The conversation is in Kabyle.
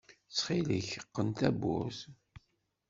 Txil-k qqen tawwurt!